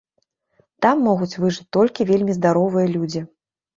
Там могуць выжыць толькі вельмі здаровыя людзі.